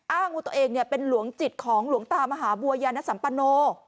อ้างว่าตัวเองเป็นหลวงจิตของหลวงตามหาบัวยานสัมปโน